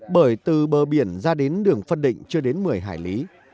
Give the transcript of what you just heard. bởi từ bờ biển ra đến đường phân định chưa đến một mươi hải lý